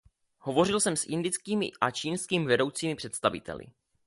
Hovořil jsem s indickými a čínskými vedoucími představiteli.